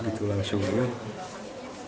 begitu langsung aja